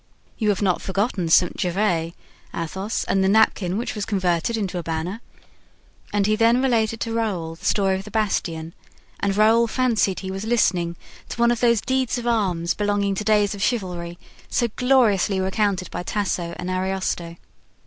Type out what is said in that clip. "You have not forgotten St. Gervais, Athos, and the napkin which was converted into a banner?" and he then related to Raoul the story of the bastion, and Raoul fancied he was listening to one of those deeds of arms belonging to days of chivalry, so gloriously recounted by Tasso and Ariosto.